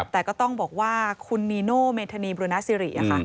แต่ก็ต้องบอกว่าคุณนีโน่เมธานีบุรณสิริ